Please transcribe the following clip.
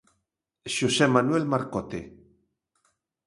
Xosé Manuel Marcote.